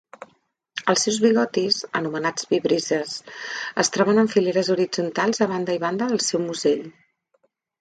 Els seus bigotis, anomenats vibrisses, es troben en fileres horitzontals a banda i banda del seu musell.